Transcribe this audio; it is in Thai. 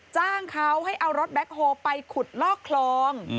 จ้างเขาให้เอารถแบ็คโฮลไปขุดลอกคลอง